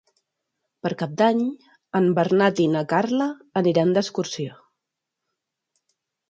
Per Cap d'Any en Bernat i na Carla aniran d'excursió.